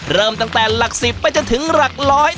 เริ่มตั้งแต่หลัก๑๐ไปจนถึงหลักร้อย